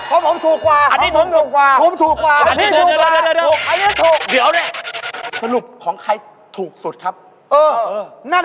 ของผมถูกกว่าอันนี้ถูกกว่า